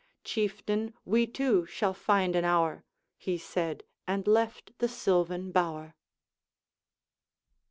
Chieftain! we too shall find an hour,' He said, and left the sylvan bower.